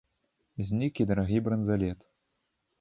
Знік і дарагі бранзалет.